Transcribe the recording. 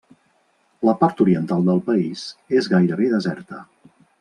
La part oriental del país és gairebé deserta.